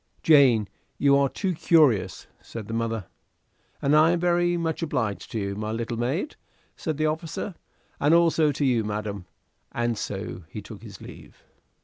"Jane, you are too curious," said the mother. "And I am very much obliged to you, my little maid," said the officer, "and also to you, madam," and so took his leave.